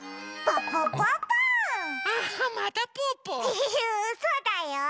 フフフそうだよ！